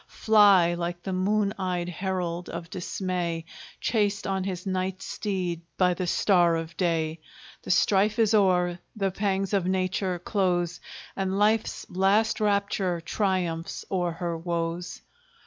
Fly, like the moon eyed herald of Dismay, Chased on his night steed by the star of day! The strife is o'er the pangs of Nature close, And life's last rapture triumphs o'er her woes.